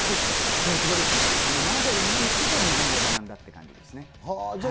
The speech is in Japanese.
ドイツ語ですね、７歳で日本に来てから日本語を学んだって感じですね。